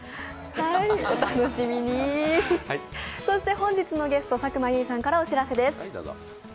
本日のゲスト佐久間由衣さんからお知らせです。